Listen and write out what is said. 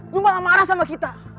lo malah marah sama kita